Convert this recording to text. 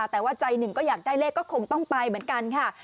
แต่ว่าใจหนึ่งก็อยากได้เลขก็คงต้องไปเหมือนกันค่ะ